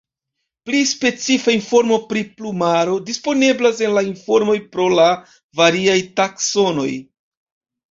Pli specifa informo pri plumaro disponeblas en la informoj pro la variaj taksonoj.